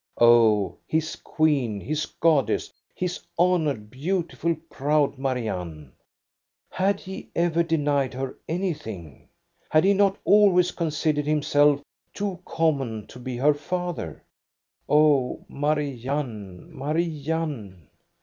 Oh, his queen, his goddess, his honored, beautiful, proud Marianne! Had he ever denied her anything? Had he not always THE BALL AT EKE BY 97 considered himself too common to be her father? Oh, Marianne, Marianne